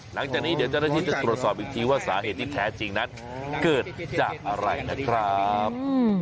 หลังจากนี้เดี๋ยวเจ้าหน้าที่จะตรวจสอบอีกทีว่าสาเหตุที่แท้จริงนั้นเกิดจากอะไรนะครับ